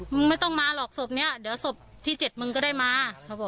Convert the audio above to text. มึงไม่ต้องมาหรอกศพนี้เดี๋ยวศพที่๗มึงก็ได้มา